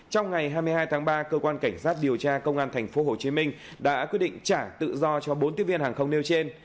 trong ngày hai mươi hai tháng ba cơ quan cảnh sát điều tra công an tp hcm đã quyết định trả tự do cho bốn tiếp viên hàng không nêu trên